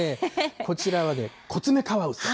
こちらはね、コツメカワウソ。